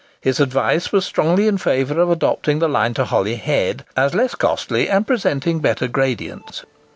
His advice was strongly in favour of adopting the line to Holyhead, as less costly and presenting better gradients.